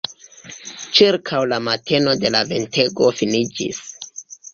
Ĉirkaŭ la mateno la ventego finiĝis.